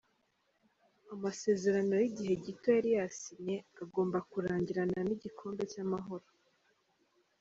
Amasezerano y’igihe gito yari yasinye agomba kurangirana n’igikombe cy’Amahoro.